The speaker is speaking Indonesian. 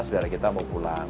saudara kita mau pulang